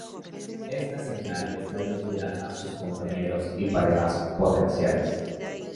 Esta señal está dirigida a sus compañeros y parejas potenciales.